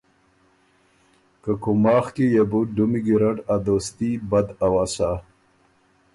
که کُوماخ کی يې بُو ډُمی ګیرډ ا دوستي بد اؤسا۔